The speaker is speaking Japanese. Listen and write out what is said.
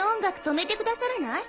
止めてくださらない？